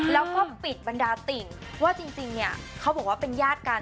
แล้วก็ปิดบรรดาติ่งว่าจริงเนี่ยเขาบอกว่าเป็นญาติกัน